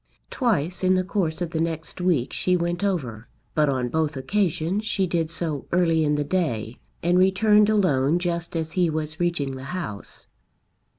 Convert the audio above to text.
Twice in the course of the next week she went over, but on both occasions she did so early in the day, and returned alone just as he was reaching the house.